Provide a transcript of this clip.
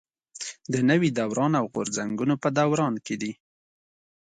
د نوي دوران او غورځنګونو په دوران کې دي.